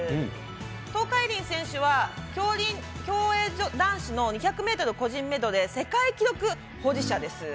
東海林選手は競泳男子の２００ｍ個人メドレー世界記録保持者です。